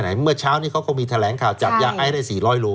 เหมือนเมื่อเช้านี้เค้ามีแถลงข่าวจับยาให้ได้๔๐๐โล